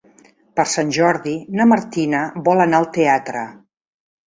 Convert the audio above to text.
Per Sant Jordi na Martina vol anar al teatre.